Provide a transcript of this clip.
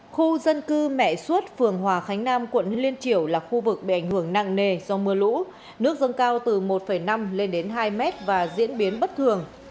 khu dân cư mẹ suốt phường hòa khánh nam quận liên triểu là khu vực bị ảnh hưởng nặng nề do mưa lũ nước dâng cao từ một năm lên đến hai mét và diễn biến bất thường